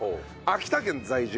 秋田県在住